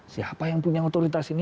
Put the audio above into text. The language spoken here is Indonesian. siapa yang punya otoritas ini